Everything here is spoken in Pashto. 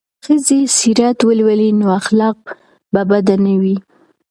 که ښځې سیرت ولولي نو اخلاق به بد نه وي.